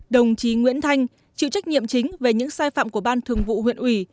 đồng chí nguyễn thanh chịu trách nhiệm chính về những sai phạm của ban thường vụ huyện ủy